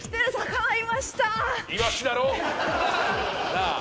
なあ？